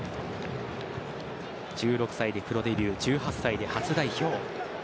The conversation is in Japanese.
１６歳でプロデビュー１８歳で初代表。